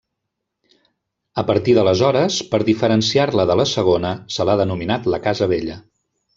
A partir d'aleshores, per diferenciar-la de la segona, se l'ha denominat la Casa Vella.